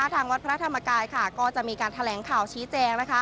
ทางวัดพระธรรมกายก็จะมีการแถลงข่าวชี้แจง